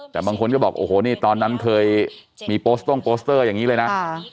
แต่บางคนก็บอกโอ้โหนี่ตอนนั้นเคยมีโปสต้งโปสเตอร์อย่างนี้เลยนะ